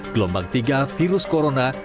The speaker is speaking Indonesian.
gelombang tiga virus corona